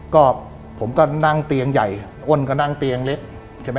ก็ผมก็นั่งเตียงใหญ่อ้นก็นั่งเตียงเล็กใช่ไหม